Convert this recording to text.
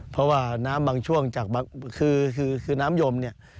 เพราะว่าน้ำบางช่วงจากบางคือคือน้ำยมเนี่ย